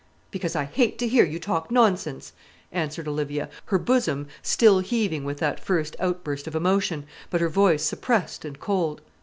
"Because I hate to hear you talk nonsense," answered Olivia, her bosom still heaving with that first outburst of emotion, but her voice suppressed and cold.